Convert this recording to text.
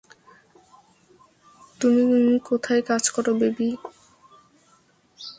তুমি কোথায় কাজ করো, বেবি?